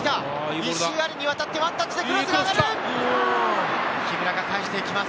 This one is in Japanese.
石井亜錬にわたってワンタッチでクロスが上がる。